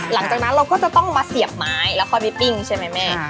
หลังจากนั้นเราก็จะต้องมาเสียบไม้แล้วค่อยไปปิ้งใช่ไหมแม่